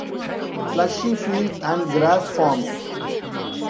Slushy fields and grass farms.